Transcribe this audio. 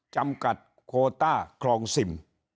จำกัดโคต้าคลองซิม